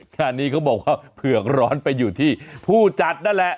งานนี้เขาบอกว่าเผือกร้อนไปอยู่ที่ผู้จัดนั่นแหละ